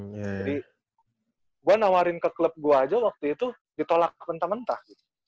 jadi gue nawarin ke klub gue aja waktu itu ditolak mentah mentah